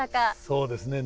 そうですね。